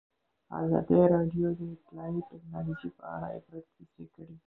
ازادي راډیو د اطلاعاتی تکنالوژي په اړه د عبرت کیسې خبر کړي.